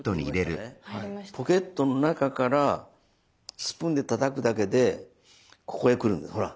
ポケットの中からスプーンでたたくだけでここへ来るんですほら！